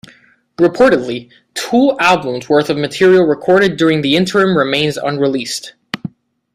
Reportedly, two albums worth of material recorded during the interim remains unreleased.